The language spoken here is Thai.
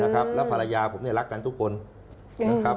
แล้วภรรยาผมรักกันทุกคนนะครับ